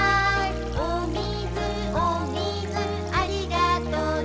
「おみずおみずありがとね」